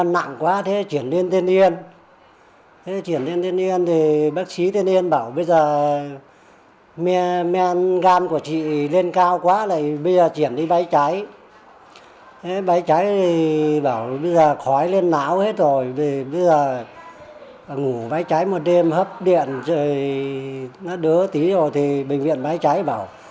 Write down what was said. ngủ mái cháy một đêm hấp điện nó đớ tí rồi thì bệnh viện mái cháy bảo